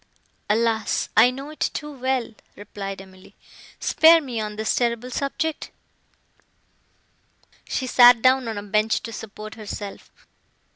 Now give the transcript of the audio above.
"Alas! I know it too well," replied Emily: "spare me on this terrible subject!" She sat down on a bench to support herself.